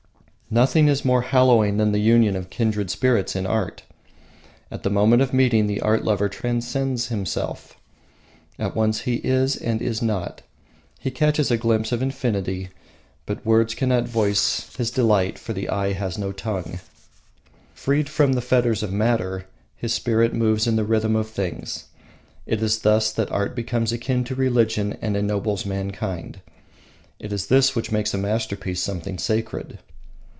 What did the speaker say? Nothing is more hallowing than the union of kindred spirits in art. At the moment of meeting, the art lover transcends himself. At once he is and is not. He catches a glimpse of Infinity, but words cannot voice his delight, for the eye has no tongue. Freed from the fetters of matter, his spirit moves in the rhythm of things. It is thus that art becomes akin to religion and ennobles mankind. It is this which makes a masterpiece something sacred.